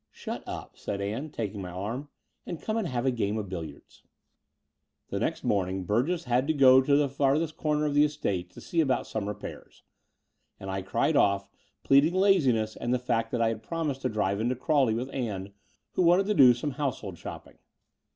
"Shut up," said Ann, taking my arm, "and come and have a game of billiards." VI The next morning Burgess had to go to the far thest comer of the estate to see about some repairs ; and I cried off, pleading laziness and the fact that I had promised to drive into Crawley with Ann, who wanted to do some household shopping.